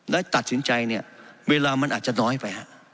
แล้วตัดสินใจเวลามันอาจจะน้อยไปครับ